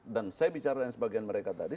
dan saya bicara dengan sebagian mereka tadi